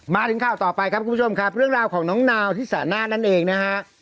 มาถึงข่าวต่อไปครับคุณผู้ชมครับเรื่องราวของน้องนาวที่สาหน้านั่นเองนะฮะ